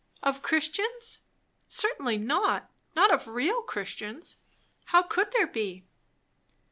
"Of Christians? Certainly not. Not of real Christians. How could there be?"